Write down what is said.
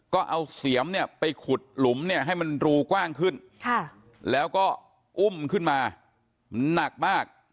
ก็เอาเสียมเนี่ยไปขุดหลุมเนี่ยให้มันรูกว้างขึ้นแล้วก็อุ้มขึ้นมามันหนักมาก